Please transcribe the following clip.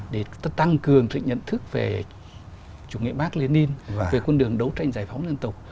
để tăng cường sự nhận thức về chủ nghĩa bác lê ninh về quân đường đấu tranh giải phóng dân tộc